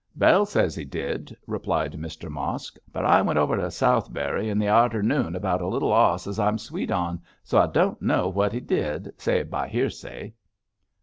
'Bell ses he did,' replied Mr Mosk, 'but I went over to Southberry in the arternoon about a little 'oss as I'm sweet on, so I don't know what he did, save by 'earsay.'